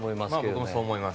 僕もそう思います。